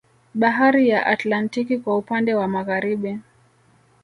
Bahari ya Atlantiki kwa upande wa Magharibi